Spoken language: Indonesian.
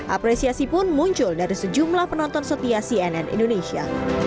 apresiasi pun muncul dari sejumlah penonton setia cnn indonesia